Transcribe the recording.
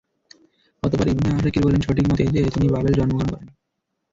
অতঃপর Ibn Asakir বলেন, সঠিক মত এই যে, তিনি বাবেলে জন্মগ্রহণ করেন।